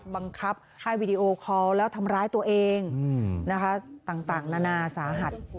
บังคับให้วีดีโอคอลแล้วทำร้ายตัวเองนะคะต่างนานาสาหัส